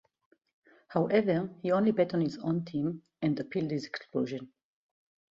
However, he only bet on his own team and appealed his expulsion.